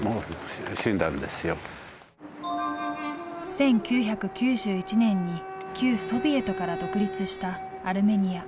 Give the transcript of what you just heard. １９９１年に旧ソビエトから独立したアルメニア。